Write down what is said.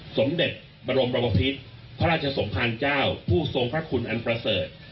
สมเด็จบรมพิษพระราชสมภารเจ้าผู้ทรงพระคุณอันประเสริฐ